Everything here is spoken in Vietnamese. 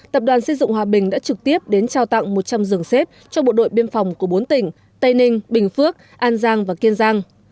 tập đoàn xây dựng hòa bình đã trực tiếp đến trao tặng một trăm linh giường xếp cho bộ đội biên phòng của bốn tỉnh tây ninh bình phước an giang và kiên giang